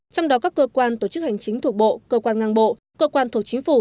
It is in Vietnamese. trong đó các cơ quan tổ chức hành chính thuộc bộ cơ quan ngang bộ cơ quan thuộc chính phủ